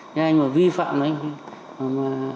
nhưng mà vi phạm